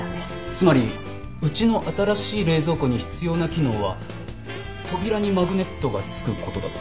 つまりうちの新しい冷蔵庫に必要な機能は扉にマグネットが付くことだと？